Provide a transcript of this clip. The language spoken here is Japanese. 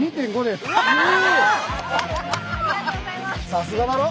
さすがだろ？